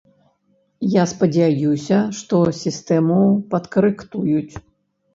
Я спадзяюся, што сістэму падкарэктуюць.